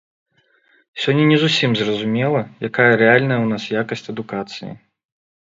Сёння не зусім зразумела, якая рэальная ў нас якасць адукацыі.